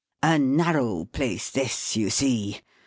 " A narrow place this, you see.